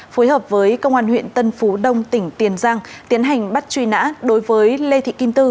phối hợp với công an huyện tân phú đông tỉnh tiền giang tiến hành bắt truy nã đối với lê thị kim tư